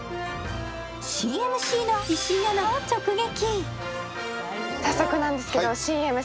新ＭＣの石井アナを直撃。